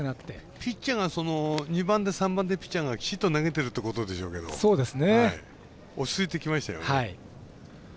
ピッチャーが２番で、３番できちっと投げているということでしょうけど落ち着いてきましたよね。